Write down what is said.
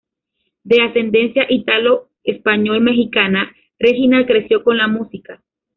De ascendencia italo-español-mexicana, Reginald creció con la música.